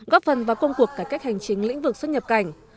góp phần vào công cuộc cải cách hành chính lĩnh vực xuất nhập cảnh